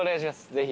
ぜひ。